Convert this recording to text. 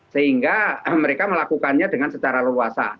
sehingga mereka melakukannya dengan secara luas